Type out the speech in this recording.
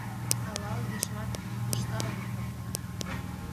Ал ал ешымат ышталын кертына.